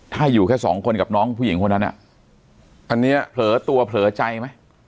ถ้าอยู่แค่สองคนกับน้องผู้หญิงคนนั้นอ่ะอันนี้เผลอตัวเผลอใจไหม